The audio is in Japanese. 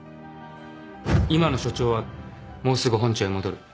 今の署長はもうすぐ本庁に戻る。